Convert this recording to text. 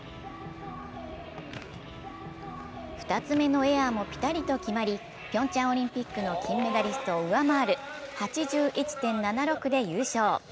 ２つ目のエアーもぴたりと決まり、ピョンチャンオリンピックの金メダリストを上回る８１．７６で優勝。